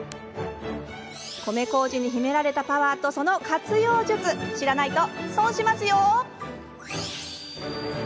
米こうじに秘められたパワーとその活用術知らないと損しますよ。